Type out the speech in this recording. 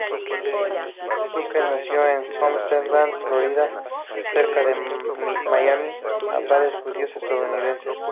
Zucker nació en Homestead, Florida, cerca de Miami, a padres judío-estadounidenses.